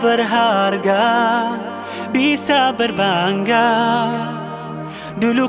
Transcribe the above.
gak kali gitu ada yang ngumpet